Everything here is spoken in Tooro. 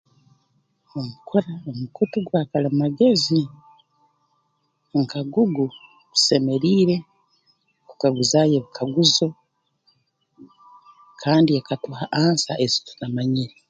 Omukura omukutu gwa kalimagezi nka Google tusemeiire kukaguzaayo ebikaguzo kandi ekatuha ansa ezi tutamanyire